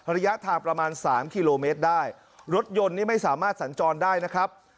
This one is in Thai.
ระยะทางประมาณสามกิโลเมตรได้รถยนต์นี่ไม่สามารถสัญจรได้นะครับ